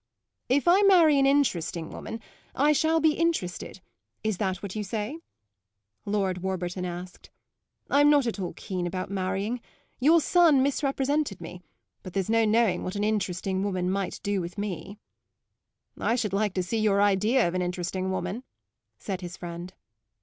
"If I marry an interesting woman I shall be interested: is that what you say?" Lord Warburton asked. "I'm not at all keen about marrying your son misrepresented me; but there's no knowing what an interesting woman might do with me." "I should like to see your idea of an interesting woman," said his friend.